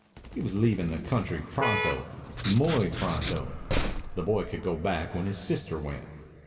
He was leaving the country pronto muy pronto. The boy could go back when his sister went.